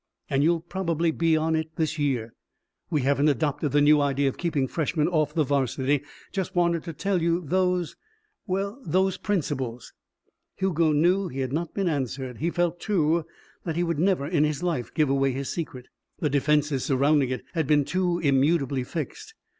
And you'll probably be on it this year we haven't adopted the new idea of keeping freshmen off the varsity. Just wanted to tell you those well those principles." Hugo knew he had not been answered. He felt, too, that he would never in his life give away his secret. The defences surrounding it had been too immutably fixed.